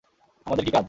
আমাদের কী কাজ?